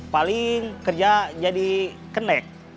paling kerja jadi kenek